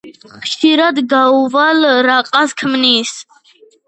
ხშირად გაუვალ რაყას ქმნის.